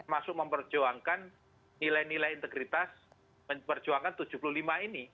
masuk memperjuangkan nilai nilai integritas memperjuangkan tujuh puluh lima ini